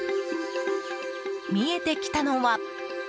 見えてきたのは。